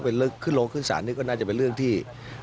ลึกขึ้นโรงขึ้นศาลนี่ก็น่าจะเป็นเรื่องที่